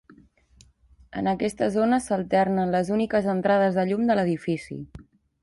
En aquesta zona s'alternen les úniques entrades de llum de l'edifici.